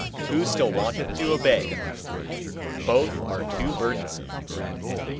Who still wanteth to obey? Both are too burdensome.